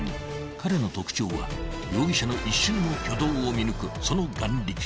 ［彼の特徴は容疑者の一瞬の挙動を見抜くその眼力］